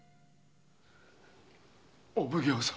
お奉行様。